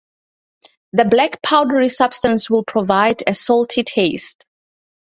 This black, powdery substance will provide a salty taste.